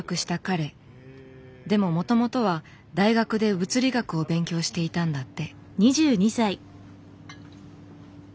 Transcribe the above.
でももともとは大学で物理学を勉強していたんだって。